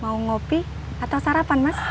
mau ngopi atau sarapan mas